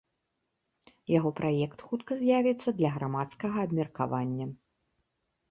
Яго праект хутка з'явіцца для грамадскага абмеркавання.